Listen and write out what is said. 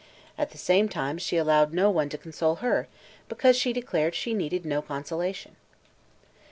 At the same time she allowed no one to console her, because she declared she needed no consolation.